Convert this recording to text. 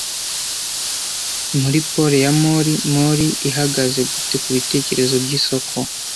Muri pole ya MORI MORI ihagaze gute kubitekerezo byisoko